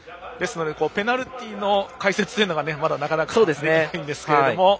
ですのでペナルティーの解説というのがまだ、なかなかできないんですけれども。